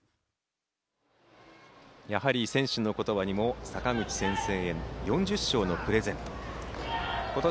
やはり選手の言葉にも阪口先生へ４０勝のプレゼントと。